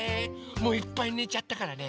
もういっぱいねちゃったからね